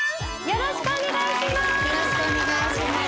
よろしくお願いします